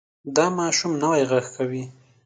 دا ماشوم نوی غږ کوي.